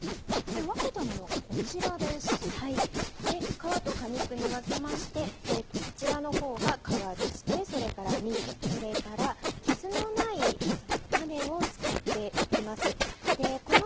皮と果肉に分けましてこちらの方が皮でしてそれから実それから傷のない種を使っていきます。